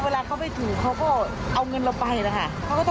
ก็เป็นตำนานอีกแล้วค่ะ